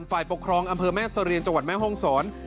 ฝ่ายปกครองอำเภอแม่เสรียงจังหวัดแม่ห้องศร